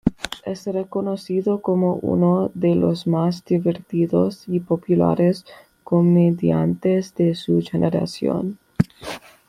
Es reconocido como uno de los más divertidos y populares comediantes de su generación.